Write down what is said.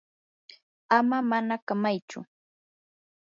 ama manakamaychu.